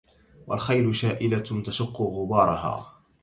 والخيل شائلة تشق غبارها